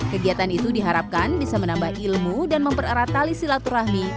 kegiatan itu diharapkan bisa menambah ilmu dan mempererat tali silaturahmi